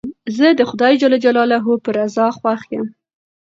زه د خدای جل جلاله په رضا خوښ یم.